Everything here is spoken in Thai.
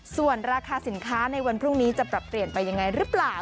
ส่วนราคาสินค้าในวันพรุ่งนี้จะปรับเปลี่ยนไปยังไงหรือเปล่า